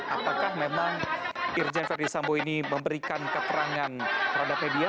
apakah memang irjen ferdisambo ini memberikan keterangan terhadap media